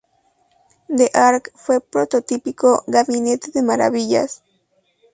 The Ark fue un prototípico "gabinete de maravillas".